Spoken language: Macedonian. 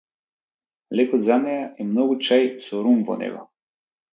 Лекот за неа е многу чај со рум во него.